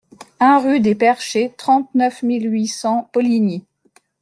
un rue des Perchées, trente-neuf mille huit cents Poligny